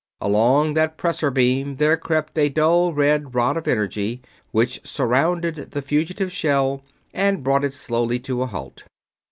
Along that pressor beam there crept a dull red rod of energy, which surrounded the fugitive shell and brought it slowly to a halt.